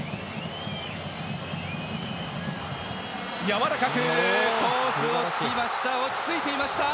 やわらかくコースを突きました！